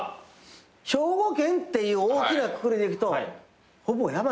兵庫県っていう大きなくくりでいくとほぼ山ちゃう？